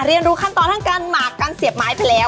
เรียนรู้ขั้นตอนทั้งการหมากการเสียบไม้ไปแล้ว